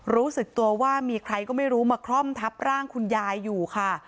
รู้สึกตัวว่ามีใครก็ไม่รู้มาคล่อมทับร่างคุณยายอยู่ค่ะ